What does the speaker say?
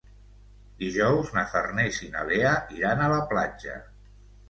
Dijous na Farners i na Lea iran a la platja.